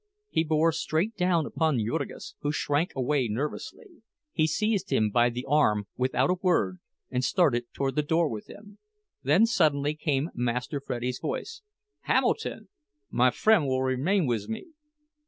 He bore straight down upon Jurgis, who shrank away nervously; he seized him by the arm without a word, and started toward the door with him. Then suddenly came Master Freddie's voice, "Hamilton! My fren' will remain wiz me."